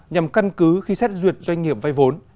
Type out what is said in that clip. nhằm căn cứ khi xét duyệt doanh nghiệp vay vốn